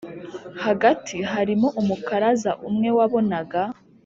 hagati harimo umukaraza umwe wabonaga